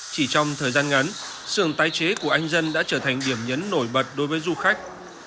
chỉ trong thời gian ngắn sườn tái chế của anh dân đã trở thành điểm nhấn nổi bật đối với du khách